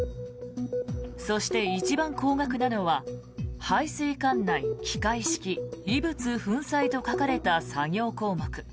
そして、一番高額なのは排水管内機械異物粉砕と書かれた作業項目。